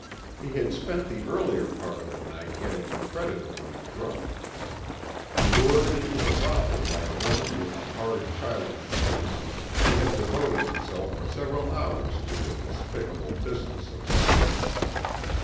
He had spent the earlier part of the night getting creditably drunk. Lured into a brothel by a woman with a hard, childish face, he had devoted himself for several hours to the despicable business of sin.